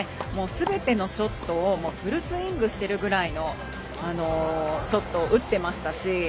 すべてのショットをフルスイングするくらいのショットを打ってましたし。